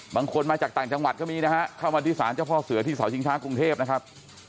บางคนมาจากต่างจังหวัดก็มีนะฮะเข้ามาที่ศาลเจ้าพ่อเสือที่เสาชิงช้ากรุงเทพนะครับ